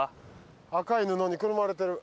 赤い布にくるまれてる。